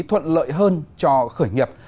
thuận lợi hơn cho khởi nghiệp